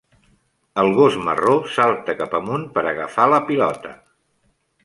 El gos marró salta cap amunt per agafar la pilota.